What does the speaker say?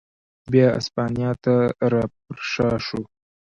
بیا اسپانیا ته را پرشا شو.